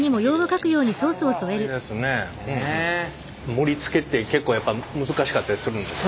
盛りつけって結構やっぱり難しかったりするんですか？